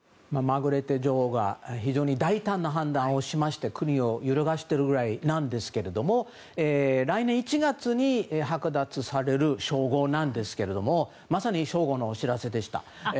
マルグレーテ女王が非常に大胆な判断をしまして国を揺るがしているくらいなんですけれども来年１月に剥奪される称号なんですがまさに正午のお知らせでした。